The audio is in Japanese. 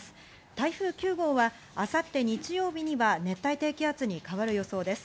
台風９号は明後日、日曜日には熱帯低気圧に変わる予想です。